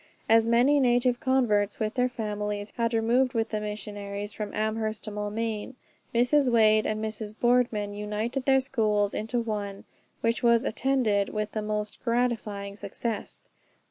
As many native converts with their families had removed with the Missionaries from Amherst to Maulmain, Mrs. Wade and Mrs. Boardman united their schools into one, which was attended with the most gratifying success.